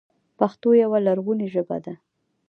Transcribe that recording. پښتو یوه لرغونې ژبه ده.